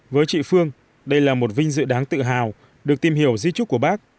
với chị phương đây là một vinh dự đáng tự hào được tìm hiểu di trúc của bác